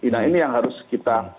nah ini yang harus kita